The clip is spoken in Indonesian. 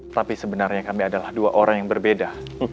tapi sebenarnya kami adalah dua orang yang berbeda